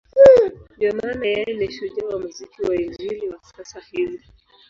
Ndiyo maana yeye ni shujaa wa muziki wa Injili wa sasa hizi.